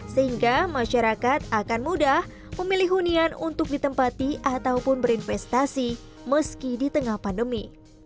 sehingga masyarakat akan mudah memilih hunian untuk ditempati ataupun berinvestasi meski di tengah pandemi